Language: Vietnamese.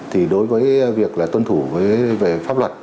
thì đối với việc là tuân thủ về pháp luật